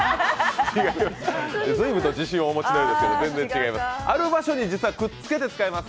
随分と自信をお持ちのようですが、全然違います。